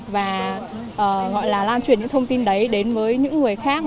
và gọi là lan truyền những thông tin đấy đến với những người khác